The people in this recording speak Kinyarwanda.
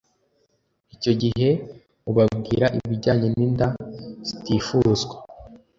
icyo gihe ubabwira ibijyanye n'inda zitifuzwa